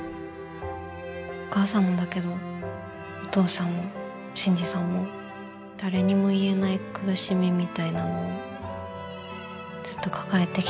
お母さんもだけどお父さんも信爾さんも誰にも言えない苦しみみたいなものずっと抱えてきたんだよね。